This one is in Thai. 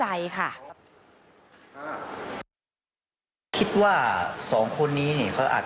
มันมีโอกาสเกิดอุบัติเหตุได้นะครับ